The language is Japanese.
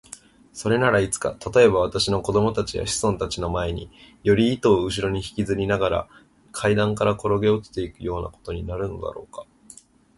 それならいつか、たとえば私の子供たちや子孫たちの前に、より糸をうしろにひきずりながら階段からころげ落ちていくようなことになるのだろうか。